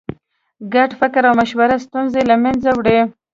ګډ فکر او مشوره ستونزې له منځه وړي.